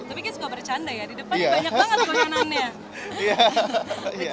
tapi kan suka bercanda ya di depannya banyak banget makanannya